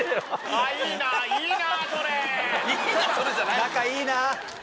あいいな！